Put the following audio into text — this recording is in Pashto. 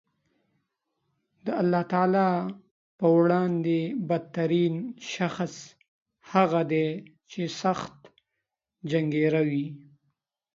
د الله تعالی په وړاندې بد ترین شخص هغه دی چې سخت جنګېره وي